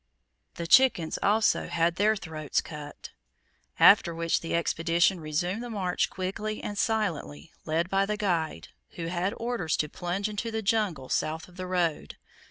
The chickens also had their throats cut; after which the Expedition resumed the march quickly and silently, led by the guide, who had orders to plunge into the jungle south of the road.